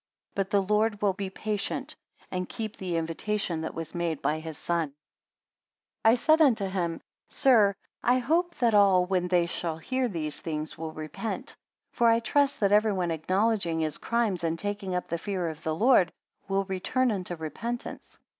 But the Lord will by patient, and keep the invitation that was made by his Son. 81 I said unto him, sir, I hope that all when they shall hear these things, will repent. For I trust that everyone acknowledging his crimes, and taking up the fear of the Lord, will return unto repentance.